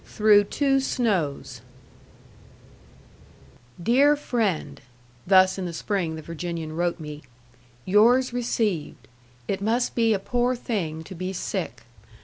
THROUGH TWO SNOWS "Dear Friend [thus in the spring the Virginian wrote me], Yours received. It must be a poor thing to be sick.